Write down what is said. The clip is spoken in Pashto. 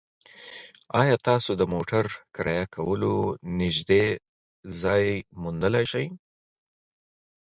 ایا تاسو د موټر کرایه کولو نږدې ځای موندلی شئ؟